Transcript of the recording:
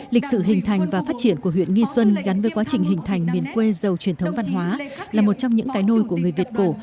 lịch sự hình thành và phát triển của huyện nghi xuân gắn với quá trình hình thành miền quê giàu truyền thống văn hóa là một trong những cái nôi của người việt cổ